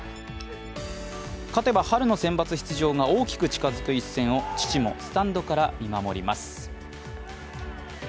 勝てば春のセンバツ出場が大きく近づく１戦を父もスタンドから見守ります。